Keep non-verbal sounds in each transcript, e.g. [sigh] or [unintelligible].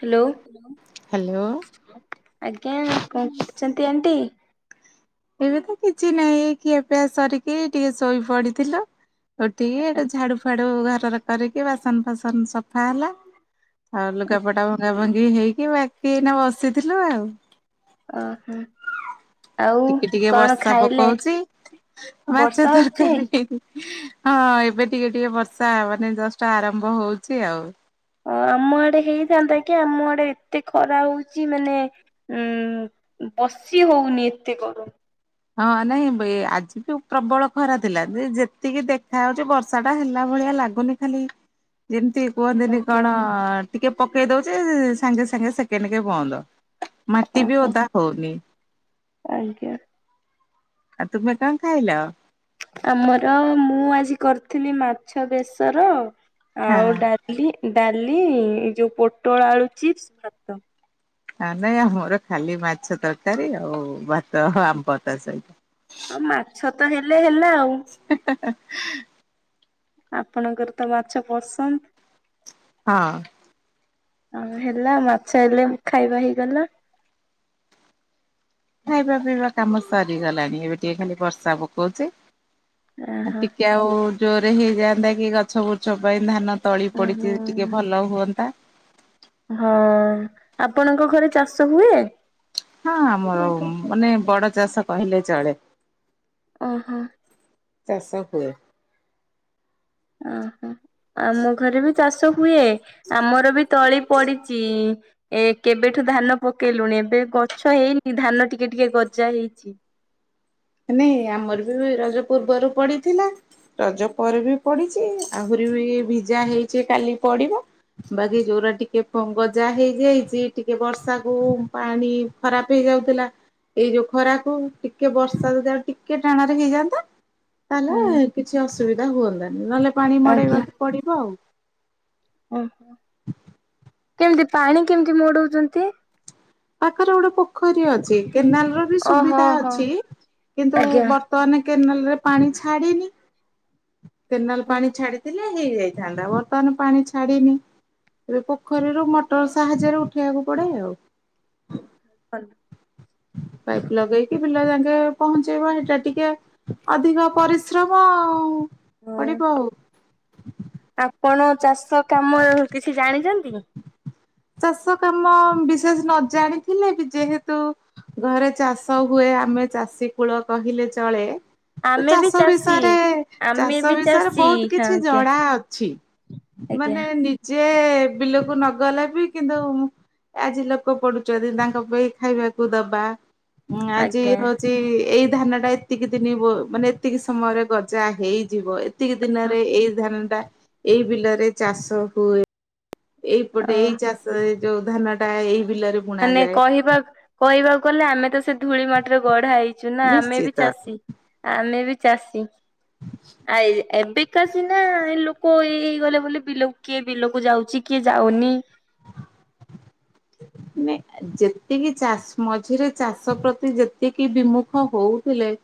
Hello, hello ଆଜ୍ଞା କଣ କରୁଛନ୍ତି ଆଣ୍ଟି? ଏବେ ତ କିଛି ନାହିଁ। ଏଇ ଖିଆ ପିଆ ସରିକି ଟିକେ ଶୋଇ ପଡିଥିଲୁ। ଉଠିକି ଏଟେ ଝାଡୁ ଫାଡୁ ଘରରେ କରିକି। ବାସନ ଫାସନ ସଫା ହେଲା। ଆଉ ଲୁଗାପଟା ଭଙ୍ଗା ଭଙ୍ଗି ହେଇକି। ବାକି ଏଇନା ବସିଥିଲୁ ଆଉ। ଓ ହଁ। ଟିକେ ଟିକେ ବର୍ଷା ପକଉଚି। ମାଛ ବର୍ଷା ହଉଛି? ତରକାରୀ ହଁ ଏବେ ଟିକେ ଟିକେ ବର୍ଷା ମାନେ ଜଷ୍ଟ ଆରମ୍ଭ ହଉଚି ଆଉ। ଓ ଆମ ଆଡେ ହେଇଥାନ୍ତା କି। ଆମ ଆଡେ ଏତେ ଖରା ହଉଚି ମାନେ ଉଁ, ଉଁ, ବସି ହଉନି ଏତେ ଗରମ। ହଁ ନାଇଁ ବେ-ଆଜି ବି ପ୍ରବଳ ଖରା ଥିଲା। ଯେ ଯେତିକି ଦେଖାାହଉଚି ବର୍ଷା ଟା ହେଲା ଭ ଭଳିଆ ଲାଗୁନି ଖାଲି ଯେମିତି କୁହନ୍ତିନି ଆଜ୍ଞା କଣ ଟିକେ ପକେଇ ଦଉଚି ସାଙ୍ଗେ ସାଙ୍ଗେ ସେକେଣ୍ଡ କେ ବନ୍ଦ। ମାଟି ବି ଓହୋ ଓଦା ହଉନି। ଆଜ୍ଞା। ଆଉ ତୁମେ କଣ ଖାଇଲ? ଆମର ମୁଁ ଆଜି କରିଥିଲି ମାଛ ବେସର। ହଁ ଆଉ ଡାଲି, ଡାଲି ଏଇ ଯୋଉ ପୋଟଳ ଆଳୁ ଚିପ୍ସ ଭାତ। ହଁ ନାଇଁ ଆମର ଖାଲି ମାଛ ତରକାରୀ ଆଉ ଭାତ ଆମ୍ବ ତା ସହିତ। ହଁ ମାଛ ତ ହେଲେ ହେଲା। ଆଉ ଆପଣଙ୍କର ତ ମାଛ ପସନ୍ଦ। ହଁ। ଆଉ ହେଲା ମାଛ ହେଲେ ଖାଇବା ହେଇଗଲା। ଖାଇବା ପିଇବା କାମ ସରିଗଲାଣି। ଏବେ ଟିକେ ଖାଲି ବର୍ଷା ପକଉଚି। ଆ, ଟିକେ ଆଉ ଜୋରରେ ହେଇଯାଆନ୍ତା କି ଗଛ ଗୁଛ ପାଇଁ ଧାନ ତଳି ପଡିଚି ଟିକେ ଓହୋ। ଭଲ ହୁଅନ୍ତା। ହଁ ଆପଣଙ୍କ ଘରେ ଚାଷ ହୁଏ? ହଁ ଆମର ମାନେ ବଡ ଚାଷ କହିଲେ ଚଳେ। ଓ ହୋ। ଚାଷ ହୁଏ। ଓହୋ ଆମ ଘରେ ବି ଚାଷ ହୁଏ ଆମର ବି ତଳି ପଡିଛି। ଏ କେବେଠୁ ଧାନ ପକେଇଲୁଣି ଏବେ ଗଛ ହେଇନି ଧାନ ଟିକେ ଟିକେ ଗଜା ହେଇଛି। ନାଇଁ ଆମର ବି ରଜ ପୂର୍ବରୁ ପଡିଥିଲା। ରଜ ପରେ ବି ପଡିଛି ଆହୁରି ବି ଭିଜା ହେଇଛି କାଲି ପଡିବ। ବାକି ଯୋଉରା ଟିକେ ଗଜା ହେଇଯାଇଛି ଟିକେ ବର୍ଷା କୁ ପାଣି ଖରାପ ହେଇ ଉଥିଲା ଏଇ ଯୋଉ ଖରାକୁ ଟିକେ ବର୍ଷା [unintelligible] ଟିକେ ଟାଣରେ ହେଇଯାଆନ୍ତା ହୁଁ ତାହେଲେ କିଛି ଅସୁବିଧା ହୁଅନ୍ତାନି ନହେଲେ ପାଣି ଆଜ୍ଞା। ମଡେଇବାକୁ ପଡିବ ଆଉ। ଓ ହୋ। କେମିତି ପାଣି କେମିତି ମଡଉଛନ୍ତି? ପାଖରେ ଗୋଟେ ପୋ ପୋଖରୀ ଅଛି କେନାଲ ର ବି ଓହୋ ସୁବିଧା ହୋ ଅଛି କିନ୍ତୁ ଆଜ୍ଞା। ବର୍ତ୍ତମାନ କେନାଲ ରେ ପାଣି ଛାଡ଼ିନି କେନାଲ ପାଣି ଛାଡିଥିଲେ ହେଇଯାଇଥାନ୍ତା ବର୍ତ୍ତମାନ ପାଣି ଛାଡିିନି ଏବେ ପୋ ପୋଖରୀରୁ ମଟର ସାହାଯ୍ୟରେ ଉଠେଇବାକୁ ପଡେ ଆଉ। ଓ ହୋ [unintelligible] ପାଇପ ଲଗେଇକି ପିଲା [unintelligible] ପହଞ୍ଚେଇବା ଏଇଟା ଟିକେ ଅଧିକ ପରିଶ୍ରମ ଆଉ। ପଡିବ ଆଉ। କଣ ଚାଷ କାମ କିଛି ଜାଣିଛନ୍ତି? ଚାଷ କାମ ବିଶେଷ ନ ଜାଣିଥିଲେ ବି ଯେହେତୁ ଘରେ ଚାଷ ହୁଏ ଆମେ ଚାଷୀ କୂଳ କହିଲେ ଚଳେ। ତ ଆମେ ବି ଚାଷ ଚାଷୀ ବିଷୟରେ ଆମେ ଚାଷ ବି ବିଷୟରେ ଚାଷୀ ବହୁତ ହଁ କିଛି ଜଣା ଅଛି। ଆଜ୍ଞା ମାନେ ନିଜେ ବିଲକୁ ନ ଗଲେ ବି କିନ୍ତୁ ଆଜି ଲୋକ ପଡୁଛନ୍ତି ତାଙ୍କ ପାଇଁ ଖାଇବାକୁ ଦବା ଉଁ ଆଜି ଆଜ୍ଞା ହଉଛି ଏଇ ଧାନ ଟା ଏତିକି ଦିନ ମାନେ ଏତିକି ସମୟରେ ଗଜା ହେଇଯିବ ଏତିକି ଆଜ୍ଞା ଦିନରେ ଏଇ ଧାନଟା ଏଇ ବିଲରେ ଚାଷ ହୁଏ ଅ ଏଇପଟେ ଏଇ ଚାଷ ଯୋଉ ଧାନଟା ଏଇ ବିଲରେ ବୁଣା ମାନେ ଯାଏ। କହିବା କହିବାକୁ ଗଲେ ଆମେ ତ ସେ ଧୂଳି ମାଟିରେ ଗଢା ହେଇଛୁ ନା ଆମେ ବି ନିଶ୍ଚିତ ଚାଷୀ ଆମେ ବି ଚାଷୀ। ଆ ଏବେ କା ସିନା ଲୋକ ଏଇ ହେଇ ଗଲେ ଵିଲ ବିଲକୁ କିଏ ବିଲକୁ ଯାଉଛି କିଏ ଯାଉନି ମ ଯେତିକି ଚାଷ ମଝିରେ ଚାଷ ପ୍ରତି ଯେତିକି ବିମୁଖ ହଉଥିଲେ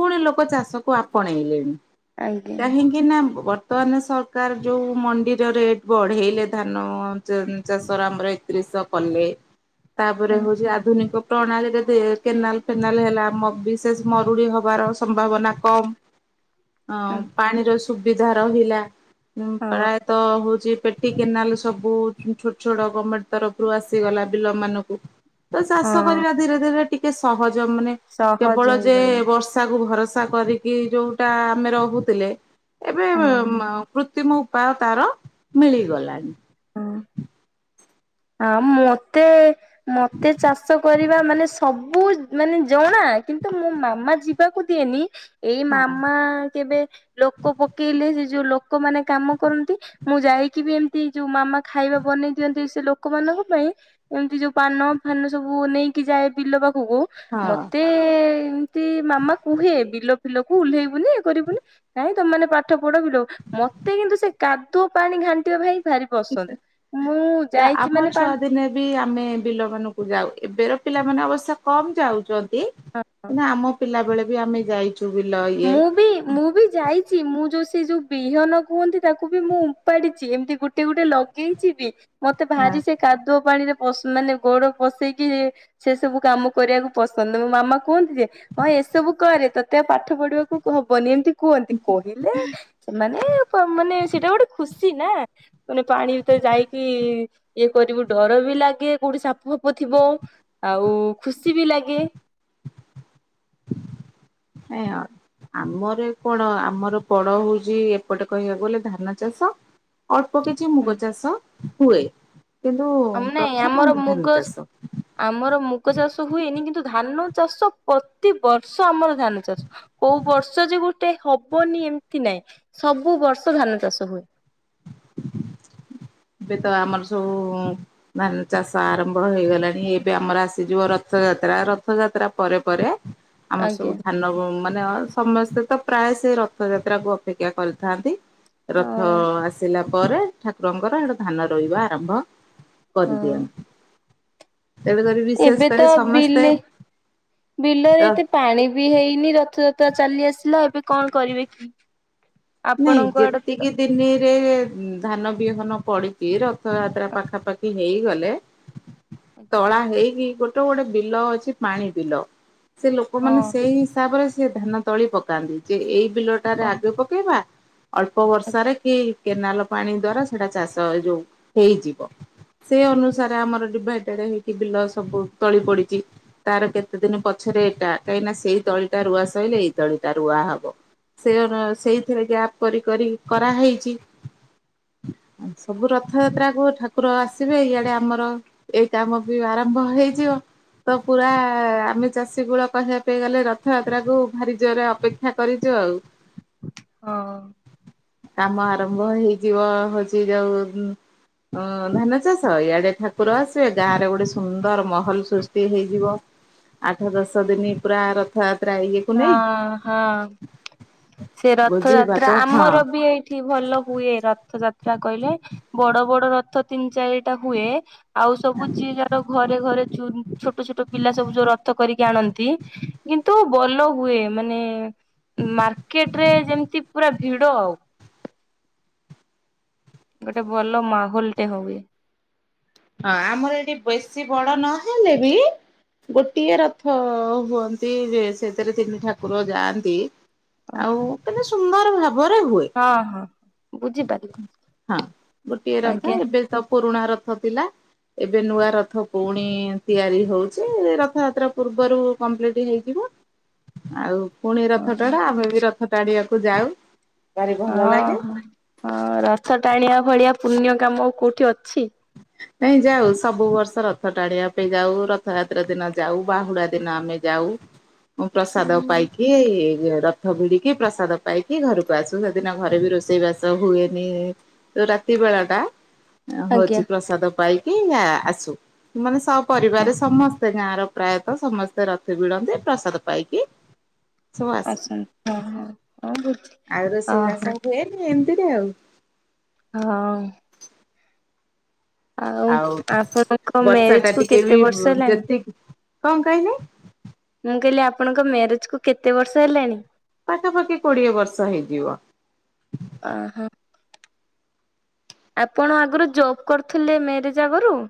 ପୁଣି ଲୋକ ଚାଷକୁ ଆପଣେଇଲେଣି। ଆଜ୍ଞା କାହିଁକି ନା ବ ତମାନ୍ ସରକାର ଯୋଉ ମଣ୍ଡିର ରେଟ୍ ବଢେଇଲେ ଧାନ ଚାଷର ଆମର ଏକତିରିଶ ଚାଷ କଲେ ତାପରେ ହଉଛି ଆଧୁନିକ ପ୍ରଣାଳୀରେ କେନାଲ ଫେନାଲ ହେଲା ବିଶେଷ ମରୁଡି ହବାର ସମ୍ଭାବନା କମ। ହଁ ପାଣିର ସୁବିଧା ରହିଲା ପ୍ରାୟତଃ ହ ପେଟି କେନାଲ ସବୁ ଛୋଟ ଛୋଟ ଗମେଣ୍ଟ ତରଫରୁ ଆସିଗଲା ବିଲ ମାନଙ୍କୁ। ତ ଚାଷ ହଁ କରିବା ଧୀରେ ଧୀରେ ଟିକେ ସହଜ ମାନେ ସହଜ କେବଳ ଯେ ହେଇଗଲା ବର୍ଷା କୁ ଭରସା କରିକି ଯୋଉଟା ଆମେ ରହୁଥିଲେ ଏବେ ହଁ ପୃ ତିମ ଉପାୟ ତାର ମିଳିଗଲାଣି। ଆଉ ମତେ ମତେ ଚାଷ କରିବା ମାନେ ସବୁ ସବୁ ମାନେ ଜଣା କିନ୍ତୁ ମୋ ମାମା ଯିବାକୁ ଦିଏନି ଏଇ ହଁ। ମାମା କେବେ ଲୋକ ପକେଇଲେ ଯୋଉ ଲୋକମାନେ କାମ କରନ୍ତି ମୁଁ ଯାଇକି ବି ଏମତି ଯୋଉ ମାମା ଖାଇବା ବନେଇ ଦିଅନ୍ତି ସେ ଲୋକମାନଙ୍କ ପାଇଁ ଏମିତି ଯୋଉ ପାନ ଫାନ ସବୁ ନେଇକି ଯାଏ ବିଲ ପାଖ [unintelligible] ହଁ ମତେ ଏମିତି ମାମା କୁହେ ବିଲ ଫିଲକୁ ଓହ୍ଲେଇବୁନି ଇଏ କରିବୁନି, କାହିଁ ତମେ ମାନେ ପାଠ ପଢ ବିଲ ମତେ କିନ୍ତୁ ସେ କାଦୁଅ ପାଣି ଘାଣ୍ଟିବା ପାଇଁ ଭାରି ପସନ୍ଦ। ମୁଁ ତ ଯାଇ ଆମ ଛୁଆ ଦିନେ ବି ଆମେ ବିଲ ମାନଙ୍କୁ ଯାଉ, ଏବେକା ପିଲାମାନେ ଅବଶ୍ୟ କମ ଯାଉଛ ନ୍ତି କାଇଁକି ହଁ ନା ଆମ ପିଲା ବେଳେ ବି ଆମେ ଯାଇଛୁ। ବିଲ ଇଏ ମୁଁ ବି ମୁଁ ବି ଯାଇଛି ମୁଁ ଯୋଉ ସେ ଯୋଉ ବିହନ କୁହନ୍ତି, ତାକୁ ବି ମୁଁ ଉପାଡିଛି ଏମିତି ଗୋଟେ ଗୋଟେ ଲଗେଇଛି ବି। ମତେ ହଁ। ଭାରି ସେ କାଦୁଅ ପାଣିରେ ପସ୍ ମାନେ ଗୋଡ ପସେଇକି ସେ ସବୁ କାମ କରିବାକୁ ପସନ୍ଦ, ମୋ ମାମା କୁହନ୍ତି ଯେ ହଁ ଏ ଏ ସବୁ କରେ ତତେ ପା ପଢିବାକୁ ହବନି, ଏମିତି କୁହନ୍ତି କହିଲେ ସେମାନେ ମାନେ ସେଇଟା ଗୋଟେ ଖୁସି ନା ମାନେ ପାଣି ଭିତରେ ଯାଇକି ଇଏ କରିବୁ ଡର ବି ଲାଗେ କୋଉଠି ସାପ ଫାପ ଥି ଥିବ ଆଉ ଖୁସି ବି ଲାଗେ। ଆଉ। ଆମର କଣ ଆମର ପଡ ହଉଛି ଏପଟେ କହିବାକୁ ଗଲେ ଧାନ ଚାଷ। ଅଳ୍ପ କିଛି ମୁଗ ଚାଷ ହୁଏ। କିନ୍ତୁ ମାନେ ପ୍ରଥମ ଆମର ଧାନ ମୁଗ ଚାଷ ଆମର ମୁଗ ଚାଷ ହୁଏନି, କିନ୍ତୁ ଧାନ ଚାଷ ପ୍ରତି ବର୍ଷ ଆମର ଧାନ ଚାଷ କୋଉ ବର୍ଷ ଯେ ଗୋଟେ ହବନି। ଏମିତି ନାଇଁ ସବୁ ବର୍ଷ ଧାନ ଚାଷ ହୁଏ। ଏବେ ତ ଆମର ସବୁ ଧାନ ଚାଷ ଆରମ୍ଭ ହେଇଗଲାଣି, ଏବେ ଆମର ଆସିଯିବ ରଥଯା ତ୍ରା, ରଥଯାତ୍ରା ପରେ ପରେ ଆମର ସବୁ ଆଜ୍ଞା ଧାନ ମା ମାନ ସମସ୍ତେ ତ ପ୍ରାୟ ସେ ରଥଯାତ୍ରାକୁୁ ଅପେକ୍ଷା କରିଥାନ୍ତି। ରଥ ହଁ ଆସିଲା ପରେ ଠାକୁରଙ୍କର, ଏଟା ଧାନ ରୋଇବା ଆରମ୍ଭ ହଁ। କରିଦିଅନ୍ତି। ତେଣୁକରି ବିଶେଷ ଏବେ କରି ତ ସମସ୍ତେ ବିଲ ବିଲରେ ର ଏତେ ପାଣି ବି ହେଇନି ରଥଯ ତ୍ରା ଚାଲି ଆସିଲା ଏବେ କଣ କରିବେ କି? ନାଇଁ ଆପଣଙ୍କ ଆଡେ ଯେତିକି ଦିନିରେ ଧାନ ବିହନ ପଡିଛି, ରଥଯାତ୍ରା ପାଖାପାଖି ହେଇଗଲେ ଆଜ୍ଞା। ତଳା ହେଇକି, ଗୋଟେ ଗୋଟେ ବିଲ ଅଛି ପାଣି ବିଲ। ସେ ହଁ ଲୋକମାନେ ସେଇ ହିସାବରେ ସେ ଧାନ ତଳି ପକାନ୍ତି। ଯେ ଏଇ ବିଲଟାରେ ହଁ ଆଗେ ପକେଇବା ଅଳ୍ପ ଆଜ୍ଞା ବର୍ଷାରେ କି କେନାଲ ପାଣି ଦ୍ଵାରା ସେଟା ଚାଷ ଏ ଯୋଉ ହେଇଯିବ। ସେ ଅନୁସାରେ ଆମର ଡିଭାଇଡ ହେଇକି ବିଲ ସବୁ ତଳି ପଡିଛି, ତାର କେତେ ଦିନ ପଛ ଏଟା କାହିଁକିନା ସେଇ ଦଳିଟା ରୁଆ ସଇଲେ ଏଇ ଦଳିଟା ରୁଆ ହବ। ସେ ସେଇ ଏଥିରେ ଗ୍ୟାପ କରି କରି କରାହେଇଛି। ସବୁ ରଥଯାତ୍ରାକୁ ଠାକୁର ଆସିବେ, ଏଇଆଡେ ଆମର ଏଇ କାମ ବି ଆରମ୍ଭ ହେଇଯିବ। ତ ପୁରା ଆମେ ଚାଷୀ କୁଳ କହିବା ପାଇଁ ଗଲେ, ରଥଯାତ୍ରା କୁ ଭାରି ଜୋରରେ ଅପେକ୍ଷା କରିଛୁ। ଆଉ। ହଁ। କାମ ଆରମ୍ଭ ହେଇଯିବ, ହଉଛି ଯଉ ହଁ ଧାନ ଚାଷ ଇଆଡେ ଠାକୁର ଆସିବେ, ଗାଁ ରେ ଗୋଟେ ସୁନ୍ଦର ମହଲ ସୃଷ୍ଟି ହେଇଯିବ। ଆଠ ଦଶ ଦିନି ପୁରା ରଥଯା ହଁ- ହଁ। ସେ ଭୋଜି ଭାତ ରଥଯାତ୍ରା ହଁ ଆମର ବି ଏଇଠି ଭଲ ହୁଏ ରଥଯା ତ୍ରା କହିଲେ ବଡ ବଡ ରଥ ତିନି ଚାରିଟା ହୁଏ। ଆଉ ସବୁ ଯିଏ ଯାହାର ଘରେ ଘରେ ଛୋଟ ଛୋଟ ପିଲା ସବୁ ଯୋଉ ରଥ କରିକି ଆଣନ୍ତି। କିନ୍ତୁ ଭଲ ହୁଏ, ମାନେ ମା ମାର୍କେଟରେ ଯେମିତି ପୁରା ଭିଡ ଆଉ। ଗୋଟେ ଭଲ ମାହୋଲଟେ ହୁଏ। ହଁ ଆମର ଏଠି ବେଶୀ ବଡ ନହେଲେ ବି ଗୋଟିଏ ରଥ ହୁଅନ୍ତି ଯେ ସେଥିରେ ତିନି ଠାକୁର ଯାଆନ୍ତି। ହଁ ଆଉ କେତେ ସୁନ୍ଦର ର ଘରେ ହୁଏ ହଁ ବୁଝିପାରିଲି ହଁ ଗୋଟିଏ ରଥ ଆଜ୍ଞା ଏବେ ସବୁ ପୁରୁଣା ରଥ ଥିଲା। ଏବେ ନୂଆ ରଥ ପୁଣି ତିଆରି ହଉଚି, ରଥଯାତ୍ରା ପୂର୍ବରୁ କମ୍ପ୍ଲିଟ ହେଇଯିବ। ଆଉ ପୁଣି ହଁ ରଥ ଟଣା ଆମେ ବି ରଥ ଟାଣିବାକୁ ଯାଉ। ଭାରି ଭଲ ହଁ ଲାଗେ। ହଁ ରଥ ଟାଣିବା ଭଳିଆ ପୁଣ୍ୟ କାମ କୋଉଠି ଅଛି? ନାଇଁ ଯାଉ ସବୁ ବର୍ଷ ରଥ ଟାଣିବା ପାଇଁ ଯାଉ, ରଥଯାତ୍ରା ଦିନ ଯାଉ ବାହୁଡା ଦିନ ଆମେ ଯାଉ। ଯାଉ ଉ ପ୍ରସାଦ ପାଇକି ଏଇ ଯେ ରଥ ଭିଡିକି ପ୍ରସାଦ ପାଇକି ଘରକୁ ଆସୁ ସେଦିନ ଘରେ ବି ରୋଷେଇ ବାସ ହୁଏନି ତ ରାତ୍ ରାତି ବେଳା ଟା ହଉଚି ଆଜ୍ଞା। ପାଇକି ଆସୁ। ମାନେ ସ ପରିବାର ସମସ୍ତେ ଗାଁ ର ପ୍ରାୟତଃ ସମସ୍ତେ ରଥ ଭିଡ଼ନ୍ତି ପ୍ରସାଦ ପାଇକି ସବୁ ଆସନ ଆସନ୍ତୁ ହଁ ହଁ ହଁ ବୁଝି ଆଉ ରଷେଇବାସ ଓହୋ ହୁଏନି। ନ୍ତିରେ ଆଉ। ହଁ। ଆଉ ଆପଣଙ୍କ ବର୍ଷା ମ୍ୟାରେଜ ଟା କୁ ଟିକେ କେତେ ବି ବର୍ଷ ହେଲାଣି? ଯେତିକି କଣ କହିଲେ? ମୁଁ କହିଲି ଆପଣଙ୍କ ମ୍ୟାରେଜ କୁ କେତେ ବର୍ଷ ହେଲାଣି? ପାଖାପାଖି କୋଡିଏ ବର୍ଷ ହେଇଯିବ। ଓହୋ। ଆପଣ ଆଗରୁ ଜବ୍ କରିୁଥିଲେ ମ୍ୟାରେଜ ଆଗରୁ?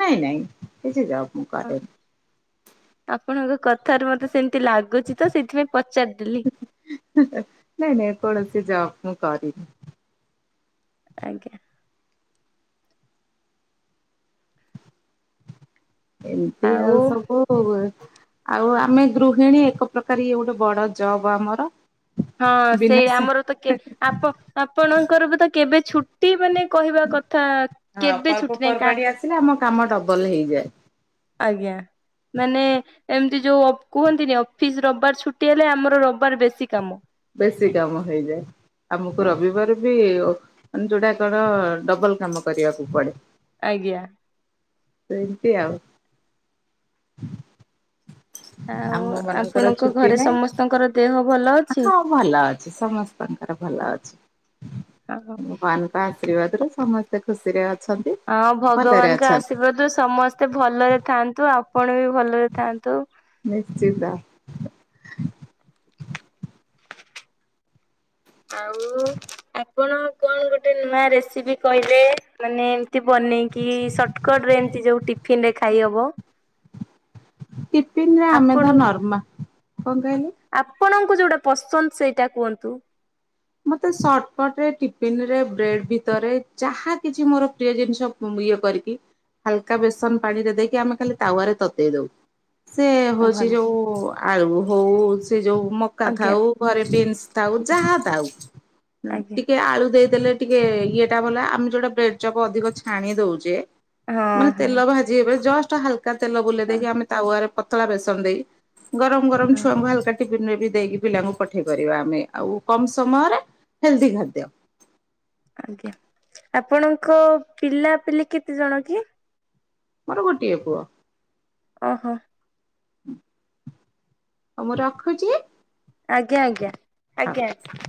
ନାଇଁ ନାଇଁ କିଛି ଜବ ମୁ କରିନି। ଆପଣଙ୍କ କଥାରେ ମତେ ସେମିତି ଲାଗୁଚି ତ ସେଇଥିପାଇଁ ପଚାରିଦେଲି। ନାଇଁ ନାଇଁ କୌଣସି ଯବ ମୁଁ କରିନି। ଆଜ୍ଞା। ଏମତି ଆଉ ଆଉସବୂ ଆଉ ଆମେ ଗୃହିଣୀ ଏକ ପ୍ରକାର ଇ ଗୋଟେ ବଡ ଜବ ଆମର। ହଁ ସେଇ ବିନା ସା ଆମର ତ କେ ଆପ ଆପଣଙ୍କର ବି ତ କେବେ ଛୁଟି ମାନେ କହିବା କଥା ହଁ କେବେ ଛୁଟି ନାହିଁ କା ପର୍ବପର୍ବାଣୀ ଆସିଲେ ଆମ କାମ ଡବଲ ହେଇଯାଏ ଆଜ୍ଞା ମାନେ ଏମିତି ଯୋଉ ଅ କୁହନ୍ତିନି ଅଫିସ ରବିବାର ଛୁଟି ହେଲେ ଆମର ରବିବାର ବେଶୀ କାମ। ବେଶୀ କାମ ହେଇଯାଏ ଆମକୁ ଆଜ୍ଞା। ରବିବାର ବି ମାନେ ଯୋଉଟା କଣ ଡବଲ କାମ କରିବାକୁ ପଡେ। ଆଜ୍ଞା। ସେମତିଆଉ। ଆଉ ଆପଣଙ୍କ ଛୁଟି ଘରେ ନାହିଁ ସମସ୍ତଙ୍କର ଦେହ ଭଲ ଅଛି? ହଁ ଭଲ ଅଛି ସମସ୍ତଙ୍କର ଭଲ ଅଛି। ହଁ। ଗବାନଙ୍କ ଆଶୀର୍ବାଦ୍ରୁ ସମସ୍ତେ ଖୁସିରେ ଅଛନ୍ତି। ହଁ ଭଲରେ ଭଗବାନଙ୍କ ଅଛନ୍ତି ଆଶୀର୍ବାଦ ରୁ ସମସ୍ତେ ଭଲରେ ଥାଆନ୍ତୁ ଆପଣ ବି ଭଲରେ ଥାନ୍ତୁ। ଚିଧା ଆଉ ଆପଣ କଣ ଗୋଟେ ନୂଆ ରେସିପି କହିଲେ ମାନେ ଏମତି ବନେଇକି ସଟକଟରେ ଏମିତି ଯୋଉ ଟିଫିନ ରେ ଖାଇହବ। ଟିଫିନରେ ଆମେତ ଆପଣଙ୍କୁ ନର୍ମା କଣ କହିଲେ? ଆପଣଙ୍କୁ ଯୋଉଟା ପସନ୍ଦ ସେଇଟା କୁହନ୍ତୁ। ମତେ ସଟକଟ ରେ ଟିଫିନ ରେ ବ୍ରେଡ ଭିତରେ ଯାହା କିଛି ମୋର ପ୍ରିୟ ଜିନିଷ ଇଏ କରିକି ହାଲକା ବେସନ ପାଣିରେ ଦେଇକି ଆମେ ଖାଲି ତାୱରେ ତତେଇ ଦଉ। ସେ ଭଲ ହଉଚି ଯୋଉ ଆଳୁ ହଉ ସେ ଯୋଉ ମକା ଆଜ୍ଞା ଥାଉ ଘରେ ବିନ୍ସ ଥାଉ ଯାହା ଥାଉ ହଁ ଆଜ୍ଞା। ଟିକେ ଆଳୁ ଦେଇଦେଲେ ଟିକେ ଇଏଟା ବଲା, ଆମେ ଯୋଉଟା ବ୍ରେଡ ଚପ ଅଧିକ ଛାଣି ଦଉଛେ ହଁ ମାନେ ହଁ ତେଲ ଭାଜି ହେବେ, ଜଷ୍ଟ ହାଲକା ତେଲ ବୁଲେଇ ହଁ ଦେଇକି, ଆମେ ତାୱା ରେ ପତଳା ବେସନ ଦେଇ ଗରମ ଗରମ ହଁ ଛୁଆଙ୍କୁ ହାଲକା ଦେଇକି ପିଲାଙ୍କୁ ପଠେଇ କରିବା ଆମେ, ଆଉ କମ ସମୟରେ ହେଲଦି ଖାଦ୍ୟ। ଆଜ୍ଞା, ଆପଣଙ୍କ ପିଲାପିଲି କେତେ ଜଣ କି? ମୋର ଗୋଟିଏ ପୁଅ। ଓ ହୋ ଆ ମୁଁ ରଖୁଛି। ଆଜ୍ଞା, ଆଜ୍ଞା, ଆଜ୍ଞା।